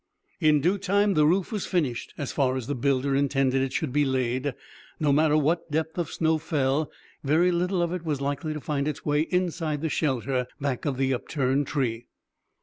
In due time the roof was finished, as far as the builder intended it should be laid. No matter what depth of snow fell, very little of it was likely to find its way inside the shelter back of the upturned tree.